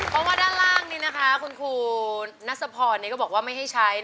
เพราะว่าด้านล่างนี้นะคะคุณครูนัสพรก็บอกว่าไม่ให้ใช้